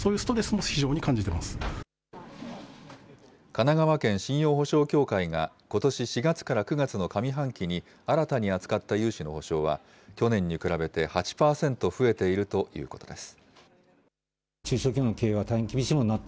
神奈川県信用保証協会が、ことし４月から９月の上半期に新たに扱った融資の保証は去年に比べて８％増えているということです。